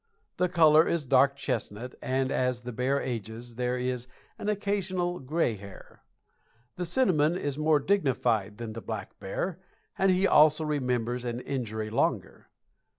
The color is dark chestnut, and as the bear ages there is an occasional gray hair. The cinnamon is more dignified than the black bear, and he also remembers an injury longer.